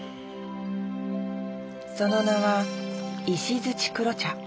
その名は石黒茶。